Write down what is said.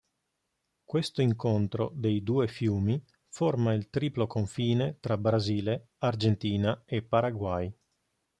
Questo incontro dei due fiumi forma il triplo confine tra Brasile, Argentina e Paraguay.